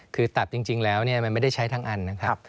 คือตับจริงแล้วมันไม่ได้ใช้ทั้งอันนะครับ